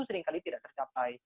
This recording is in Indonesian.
seringkali tidak tercapai